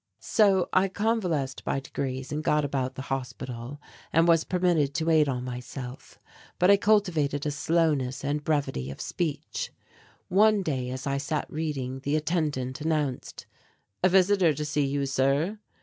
So I convalesced by degrees and got about the hospital, and was permitted to wait on myself. But I cultivated a slowness and brevity of speech. One day as I sat reading the attendant announced, "A visitor to see you, sir."